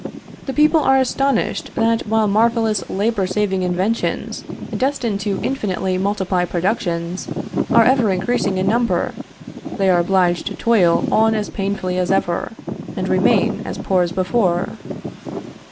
The people are astonished that while marvelous labor saving inventions, destined to infinitely multiply productions, are ever increasing in number, they are obliged to toil on as painfully as ever, and remain as poor as before.